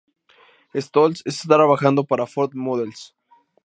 Stolz está trabajando para Ford Models.